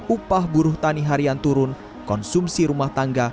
upah buruh tani harian turun konsumsi rumah tangga